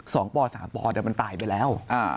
สองป่อสามป่อมันตายไปแล้ว